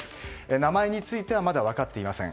名前についてはまだ分かっていません。